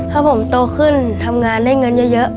ถ้าผมโตขึ้นทำงานได้เงินเยอะ